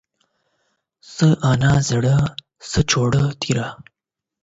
څه انا زړه ، څه چاړه تيره.